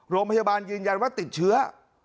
โรงพยาบาลยืนยันว่าติดเชื้อ